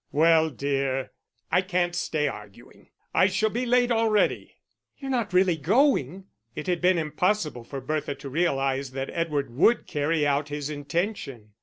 "Well, dear, I can't stay arguing. I shall be late already." "You're not really going?" It had been impossible for Bertha to realise that Edward would carry out his intention.